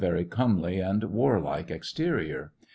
very comely and warlike exterior.